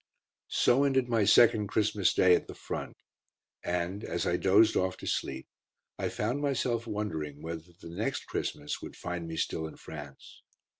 So ended my second Christmas Day at the Front, and, as I dozed off to sleep, I found myself wondering whether the next Christmas would find me still in France.